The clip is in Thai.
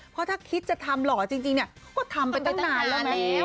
เพราะถ้าคิดจะทำหล่อจริงเนี่ยเขาก็ทำไปตั้งนานแล้วนะ